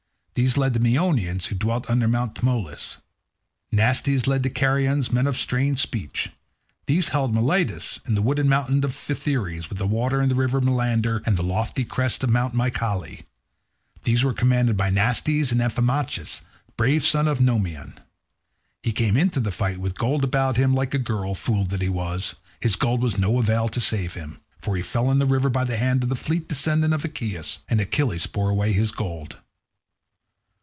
These led the Meonians, who dwelt under Mt. Tmolus. Nastes led the Carians, men of a strange speech. These held Miletus and the wooded mountain of Phthires, with the water of the river Maeander and the lofty crests of Mt. Mycale. These were commanded by Nastes and Amphimachus, the brave sons of Nomion. He came into the fight with gold about him, like a girl; fool that he was, his gold was of no avail to save him, for he fell in the river by the hand of the fleet descendant of Aeacus, and Achilles bore away his gold.